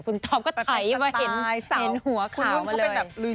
คุณท็อปก็ไถมาเห็นหัวขาวมาเลย